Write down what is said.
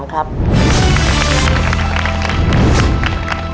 คุณวิยรอชฟรี